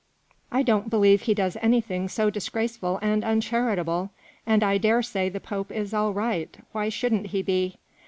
'"" I don't believe he does anything so dis graceful and uncharitable ; and I dare say the Pope is all right why shouldn't he be